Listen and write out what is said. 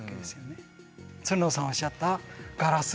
つるのさんがおっしゃったガラス。